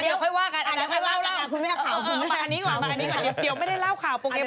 มาอันนี้ก่อน